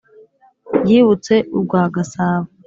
yibutse urwa gasabo